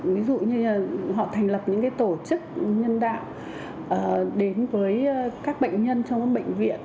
ví dụ như họ thành lập những tổ chức nhân đạo đến với các bệnh nhân trong bệnh viện